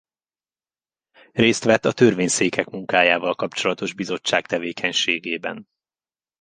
Részt vett a törvényszékek munkájával kapcsolatos bizottság tevékenységében.